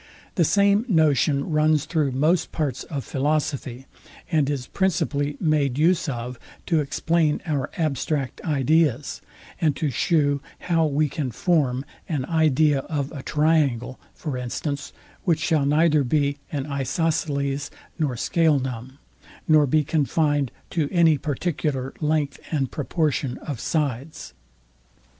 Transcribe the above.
The same notion runs through most parts of philosophy, and is principally made use of to explain oar abstract ideas, and to shew how we can form an idea of a triangle, for instance, which shall neither be an isoceles nor scalenum, nor be confined to any particular length and proportion of sides.